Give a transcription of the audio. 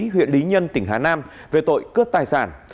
huyện lý nhân tỉnh hà nam về tội cướp tài sản